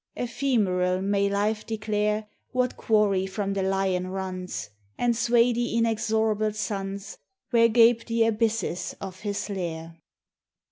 Ephemeral, may Life declare What quarry from the Lion runs, And sway the inexorable suns Where gape the abysses of his lair?